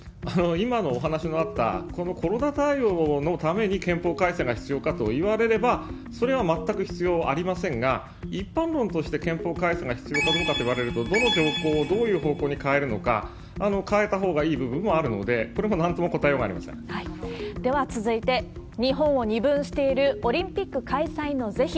今のお話にあった、このコロナ対応のために憲法改正が必要かといわれれば、それは全く必要ありませんが、一般論として憲法改正が必要かどうかといわれると、どの条項をどういう方向に変えるのか、変えたほうがいい部分もあるので、これでは続いて、日本を二分しているオリンピック開催の是非。